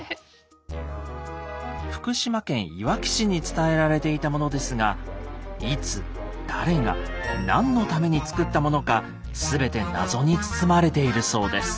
福島県いわき市に伝えられていたものですがいつ誰が何のために作ったものか全て謎に包まれているそうです。